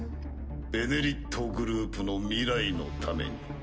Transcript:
「ベネリット」グループの未来のために。